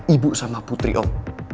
ibu sama putri om